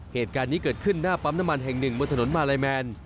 เหตุการณ์นี้เกิดขึ้นหน้าปั๊มน้ำมันแห่งหนึ่งบนถนนมาลัยแมน